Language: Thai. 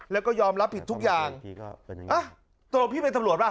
แล้วก็ยอมรับผิดทุกอย่างอ่ะตัวพี่เป็นตำรวจป่ะ